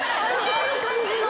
ある感じの。